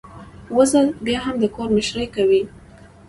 وزه بيا هم د کور مشرۍ کوي.